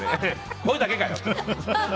声だけかよ！